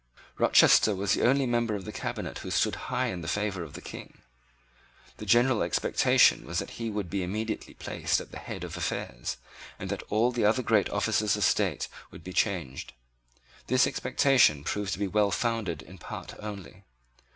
Rochester was the only member of the cabinet who stood high in the favour of the King. The general expectation was that he would be immediately placed at the head of affairs, and that all the other great officers of the state would be changed. This expectation proved to be well founded in part only.